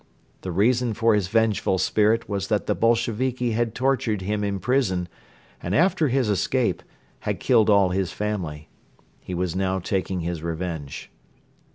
The reason for his vengeful spirit was that the Bolsheviki had tortured him in prison and, after his escape, had killed all his family. He was now taking his revenge.